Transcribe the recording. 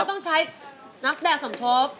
ต้องใช้นักแสดงสมทบ